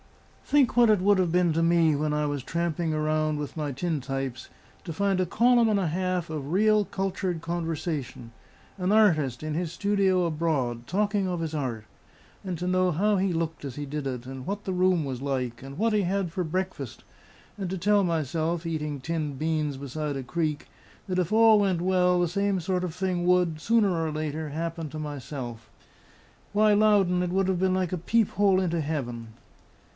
Think what it would have been to me when I was tramping around with my tin types to find a column and a half of real, cultured conversation an artist, in his studio abroad, talking of his art and to know how he looked as he did it, and what the room was like, and what he had for breakfast; and to tell myself, eating tinned beans beside a creek, that if all went well, the same sort of thing would, sooner or later, happen to myself: why, Loudon, it would have been like a peephole into heaven!"